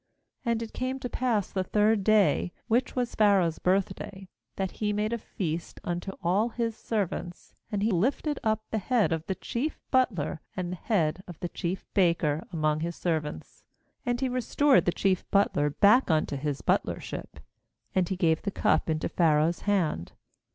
20And it came to pass the third day, which was Pharaoh's birthday, that he made a feast unto all his servants; and he lifted up the head of the chief butler and the head of the chief baker among his servants. 21And he restored the chief butler back unto his butler ship; and he gave the cup into Pha raoh's hand.